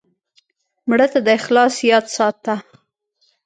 مړه ته د اخلاص یاد وساته